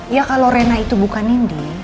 ya kalau rena itu bukan ninding